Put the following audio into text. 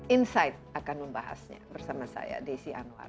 insight akan membahasnya bersama saya desi anwar